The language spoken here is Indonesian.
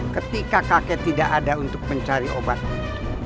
ketika kakek tidak ada untuk mencari obat itu